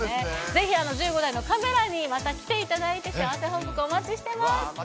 ぜひ１５台のカメラにまた来ていただいて、待ってます。